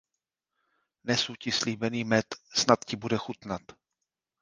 Nesu ti slíbený med. Snad ti bude chutnat.